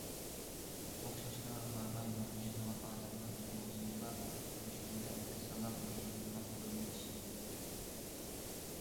ئوخشاشلا، ھارماي مۇڭدىشىدىغان ئادەملەر تۇيۇقسىزلا كۆرۈشكەندە ئەسسالام دېيىشمەيدىغان بولۇپ كېتىشتى.